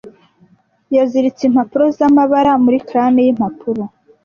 Yiziritse impapuro zamabara muri crane yimpapuro.